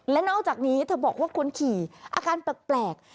และนอกจากนี้เธอบอกว่าคนขี่อาการแปลก